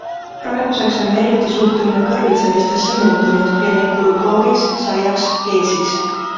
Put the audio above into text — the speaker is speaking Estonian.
Praeguseks on Merriti suhtumine kõrvitsalistesse muutunud ja neid kulub koogiks, saiaks, keeksiks.